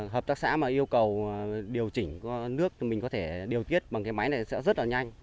hợp tác xã mà yêu cầu điều chỉnh nước thì mình có thể điều tiết bằng cái máy này sẽ rất là nhanh